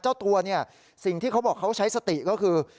เจ้าตัวเนี่ยสิ่งที่เขาบอกเขาใช้สติก็คือ